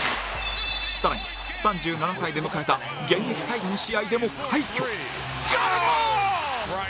更に３７歳で迎えた現役最後の試合でも快挙